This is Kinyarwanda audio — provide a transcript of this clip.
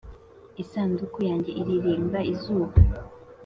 isanduku yanjye iririmba izuba